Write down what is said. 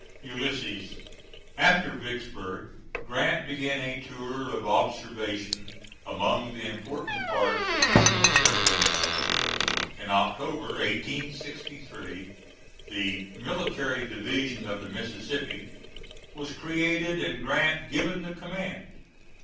ULYSSES. [After Vicksburg, Grant began a tour of observation among the important parts of his military rule. In October, 1863, the "Military Division of the Mississippi" was created and Grant given the command.